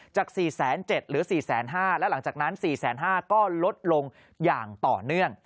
จาก๔๗๐๐หรือ๔๕๐๐และหลังจากนั้น๔๕๐๐ก็ลดลงอย่างต่อเนื่อง